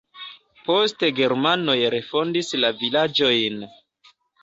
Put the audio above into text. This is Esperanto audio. Poste germanoj refondis la vilaĝojn.